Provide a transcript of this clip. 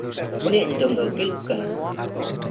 ᱩᱱᱤᱭᱟᱜ ᱧᱩᱛᱩᱢ ᱫᱚ ᱠᱤᱞᱠ ᱠᱟᱱᱟ᱾